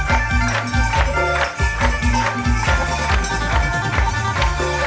อันนี้ยาก